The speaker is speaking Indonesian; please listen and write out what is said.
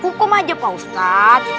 hukum aja pak ustadz